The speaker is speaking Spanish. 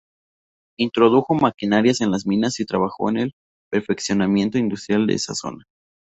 Introdujo maquinarias en las minas y trabajó por el perfeccionamiento industrial de esa zona.